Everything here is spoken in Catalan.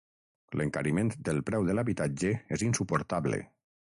L'encariment del preu de l'habitatge és insuportable.